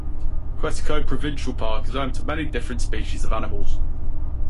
Quetico Provincial Park is home to many different species of animals.